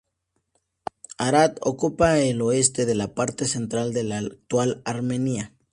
Ararat ocupa el oeste de la parte central de la actual Armenia.